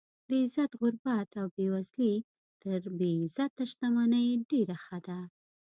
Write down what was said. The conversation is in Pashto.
د عزت غربت او بې وزلي تر بې عزته شتمنۍ ډېره ښه ده.